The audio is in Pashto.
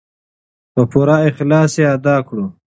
په پوره اخلاص یې ادا کړو.